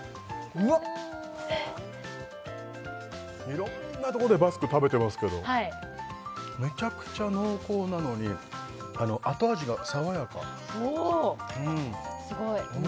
うわっいろんなところでバスク食べてますけどめちゃくちゃ濃厚なのに後味が爽やかおお！